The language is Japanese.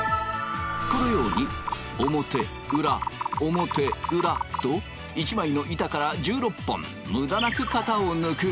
このように表裏表裏と一枚の板から１６本むだなく型を抜く。